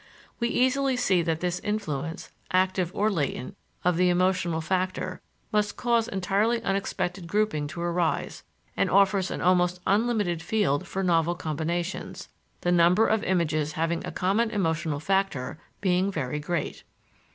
We easily see that this influence, active or latent, of the emotional factor, must cause entirely unexpected grouping to arise, and offers an almost unlimited field for novel combinations, the number of images having a common emotional factor being very great.